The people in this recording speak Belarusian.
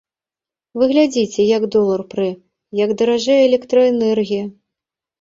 Вы глядзіце, як долар прэ, як даражэе электраэнергія.